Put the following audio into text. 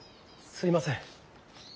すいません。